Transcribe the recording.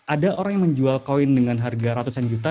ada orang yang menjual koin dengan harga ratusan juta